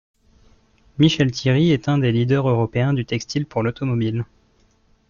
Michel Thierry est un des leaders européens du textile pour l'automobile.